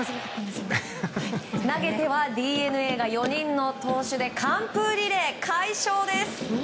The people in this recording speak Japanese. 投げてはＤｅＮＡが４人の投手で完封リレー快勝です！